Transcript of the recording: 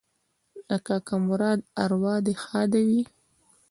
د کاکا مراد اوراح دې ښاده وي